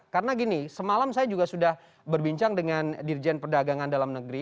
karena gini semalam saya juga sudah berbincang dengan dirjen perdagangan dalam negeri